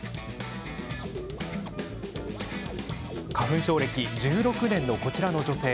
花粉症歴１６年のこちらの女性。